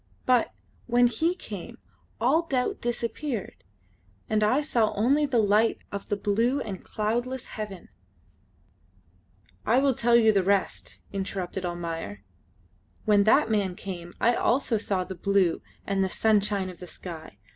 But, when he came, all doubt disappeared, and I saw only the light of the blue and cloudless heaven " "I will tell you the rest," interrupted Almayer: "when that man came I also saw the blue and the sunshine of the sky.